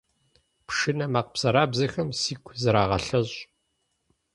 Пшынэ макъ бзэрабзэхэм сигу зырагъэлъэщӏ.